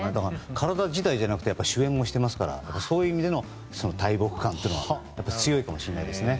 体自体じゃなくて主演もしてますからそういう意味での大木感は強いかもしれないですね。